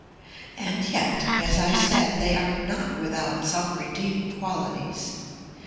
"And yet, as I said, they are not without some redeeming qualities.